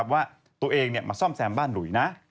ว่าตัวเองมาซ่อมแซมบ้านหลุยนะ